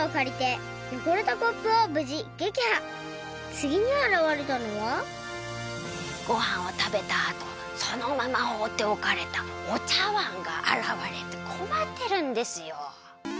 つぎにあらわれたのはごはんをたべたあとそのままほうっておかれたお茶わんがあらわれてこまってるんですよ。